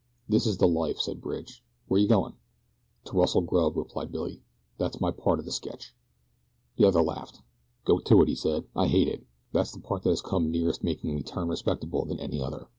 "This is the life," said Bridge. "Where you going?" "To rustle grub," replied Billy. "That's my part o' the sketch." The other laughed. "Go to it," he said. "I hate it. That's the part that has come nearest making me turn respectable than any other.